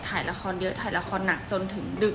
ถ่ายละครเยอะถ่ายละครหนักจนถึงดึก